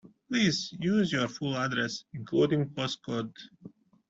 Please use your full address, including postcode